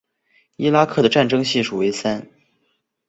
伊拉克的战争系数为三。